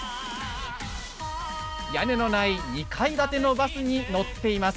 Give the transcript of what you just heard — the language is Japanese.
屋根のない２階建てのバスに乗っています。